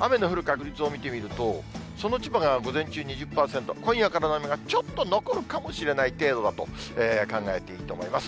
雨の降る確率を見てみると、その千葉が午前中２０％、今夜からの雨がちょっと残るかもしれない程度だと考えていいと思います。